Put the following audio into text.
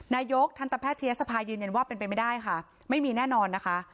นายกทันตแพทยศภายืนยันว่าเป็นไปไม่ได้ค่ะไม่มีแน่นอนนะคะ